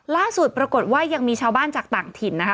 ล่าสุดปรากฏว่ายังมีชาวบ้านจากต่างถิ่นนะคะ